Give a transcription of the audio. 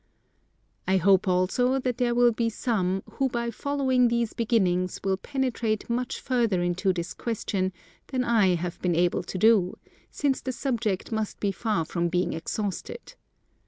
I hope also that there will be some who by following these beginnings will penetrate much further into this question than I have been able to do, since the subject must be far from being exhausted.